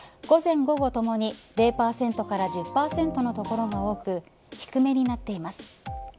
午前、午後ともに０％から１０％の所が多く低めになっています。